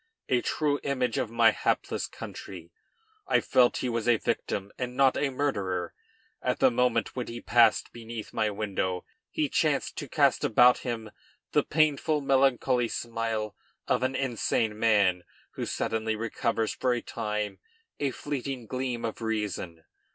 A true image of my hapless country. I felt he was a victim and not a murderer. At the moment when he passed beneath my window he chanced to cast about him the painful, melancholy smile of an insane man who suddenly recovers for a time a fleeting gleam of reason.